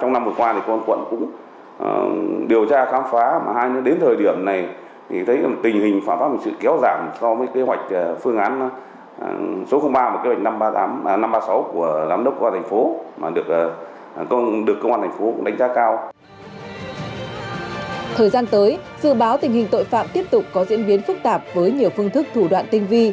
thời gian tới dự báo tình hình tội phạm tiếp tục có diễn biến phức tạp với nhiều phương thức thủ đoạn tinh vi